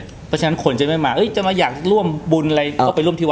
เพราะฉะนั้นคนจะไม่มาจะมาอยากร่วมบุญอะไรก็ไปร่วมที่วัด